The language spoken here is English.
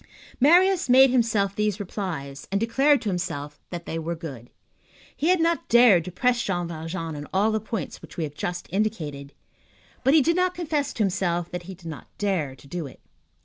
Marius made himself these replies, and declared to himself that they were good. He had not dared to press Jean Valjean on all the points which we have just indicated, but he did not confess to himself that he did not dare to do it.